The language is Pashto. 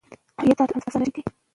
یاد ساتل اسانه شوي دي.